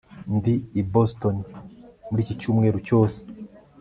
ndi i boston muri iki cyumweru cyose